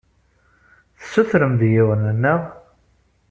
Tessutremt-d yiwen, naɣ?